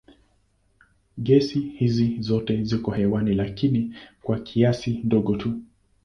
Gesi hizi zote ziko hewani lakini kwa kiasi kidogo tu.